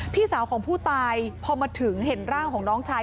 พี่สาวของผู้ตายพอมาถึงเห็นร่างของน้องชาย